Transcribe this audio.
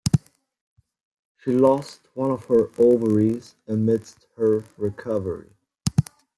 She lost one of her ovaries amidst her recovery.